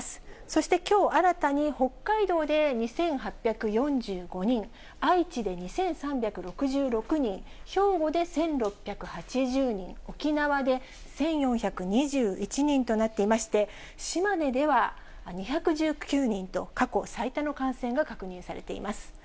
そしてきょう、新たに北海道で２８４５人、愛知で２３６６人、兵庫で１６８０人、沖縄で１４２１人となっていまして、島根では２１９人と、過去最多の感染が確認されています。